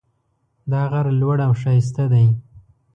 دا غر لوړ او ښایسته ده